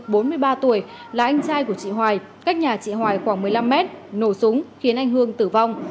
bốn mươi ba tuổi là anh trai của chị hoài cách nhà chị hoài khoảng một mươi năm mét nổ súng khiến anh hương tử vong